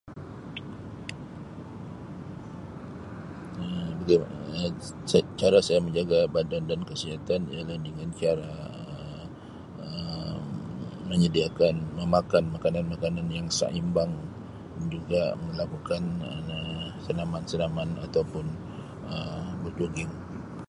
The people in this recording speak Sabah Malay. Um [unintelligible] Cara saya menjaga badan dan kesihatan ialah dengan cara Um menyediakan memakan makanan-makanan yang saimbang dan juga melakukan Um senaman-senaman atau pun Um berjogging.